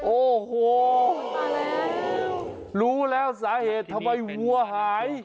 โอ้โหรู้แล้วสาเหตุทำไมวัวหาย